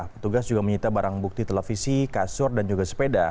petugas juga menyita barang bukti televisi kasur dan juga sepeda